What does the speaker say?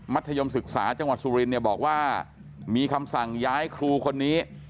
ธยมศึกษาจังหวัดสุรินเนี่ยบอกว่ามีคำสั่งย้ายครูคนนี้